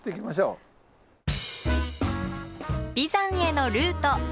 眉山へのルート。